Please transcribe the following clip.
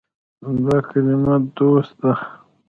دا کلمه “دوست” ده.